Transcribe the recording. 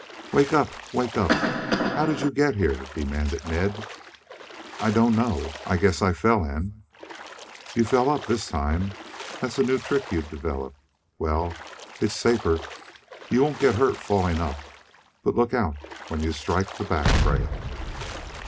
"Wake up! Wake up! How did you get here?" demanded Ned. "I I don't know. I I guess I fell in." "You fell up this time. That's a new trick you've developed. Well, it's safer. You won't get hurt falling up, but look out when you strike the back trail."